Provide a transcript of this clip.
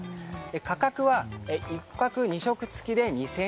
価格は１泊２食付きで２０００元。